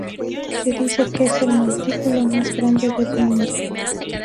Se dice que es el montículo más grande del mundo.